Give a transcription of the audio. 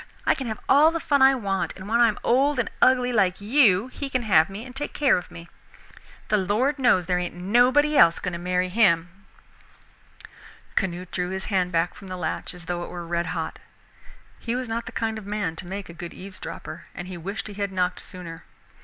I can have all the fun I want, and when I am old and ugly like you he can have me and take care of me. The Lord knows there ain't nobody else going to marry him." Canute drew his hand back from the latch as though it were red hot. He was not the kind of man to make a good eavesdropper, and he wished he had knocked sooner.